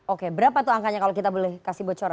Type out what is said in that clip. oke berapa tuh angkanya kalau kita boleh kasih bocoran